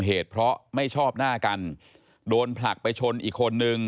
เหตุเพราะไม่ชอบหน้ากันโดนผลักไปชนอีกคนนึง